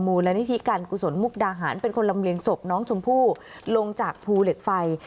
มูลนิธิการกุศลมุกดาหารเป็นคนลำเลียงศพน้องชมพู่ลงจากภูเหล็กไฟ